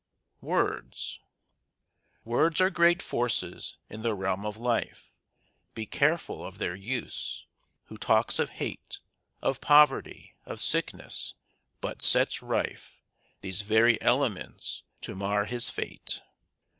WORDS Words are great forces in the realm of life: Be careful of their use. Who talks of hate, Of poverty, of sickness, but sets rife These very elements to mar his fate.